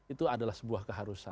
itu adalah sebuah keharusan